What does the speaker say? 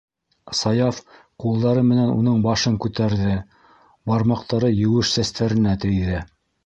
- Саяф ҡулдары менән уның башын күтәрҙе, бармаҡтары еүеш сәстәренә тейҙе.